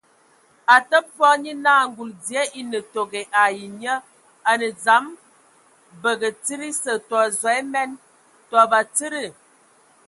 A təbə fɔɔ, nye naa ngul dzie e ne tego ai nnyie, a nǝ dzam bagǝ tsid ese, tɔ zog emen. Ndɔ batsidi.